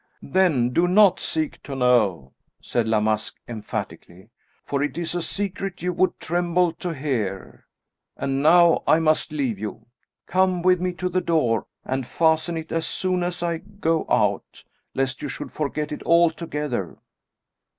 "Then do not seek to know," said La Masque, emphatically. "For it is a secret you would tremble to hear. And now I must leave you. Come with me to the door, and fasten it as soon as I go out, lest you should forget it altogether."